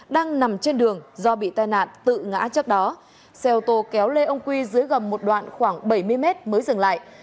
đang nằm trên đường do bị tai nạn tự ngã trước đó xe ô tô kéo lê ông quy dưới gầm một đoạn khoảng bảy mươi mét mới dừng lại